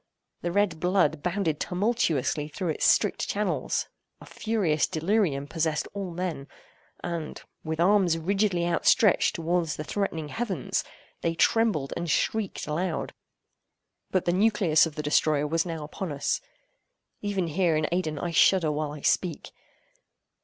The red blood bounded tumultuously through its strict channels. A furious delirium possessed all men; and, with arms rigidly outstretched towards the threatening heavens, they trembled and shrieked aloud. But the nucleus of the destroyer was now upon us; even here in Aidenn, I shudder while I speak.